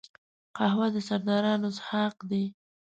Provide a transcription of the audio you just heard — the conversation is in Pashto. قهوه د سردارانو څښاک دی